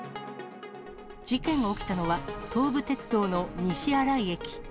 事件が起きたのは、東武鉄道の西新井駅。